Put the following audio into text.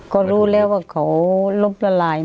ก็รู้แล้วเขาลบละลายส์